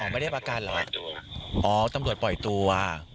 ไม่ได้ประกันเหรออ๋อตำรวจปล่อยตัว